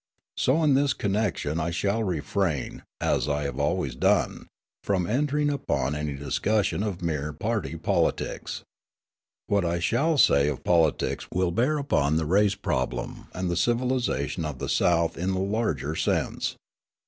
So in this connection I shall refrain, as I always have done, from entering upon any discussion of mere party politics. What I shall say of politics will bear upon the race problem and the civilisation of the South in the larger sense.